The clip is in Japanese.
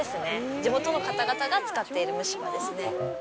地元の方々が使っている蒸し場ですね。